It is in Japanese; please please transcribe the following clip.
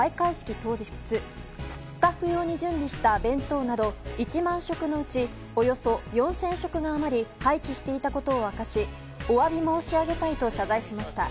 当日スタッフ用に準備した弁当など１万食のうちおよそ４０００食が余り廃棄していたことを明かしお詫び申し上げたいと謝罪しました。